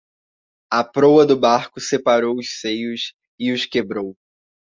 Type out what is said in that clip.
A proa do barco separou os seios e os quebrou.